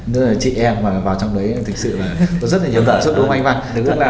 nên là chị em mà vào trong đấy thực sự là có rất là nhiều vận dụng đúng không anh văn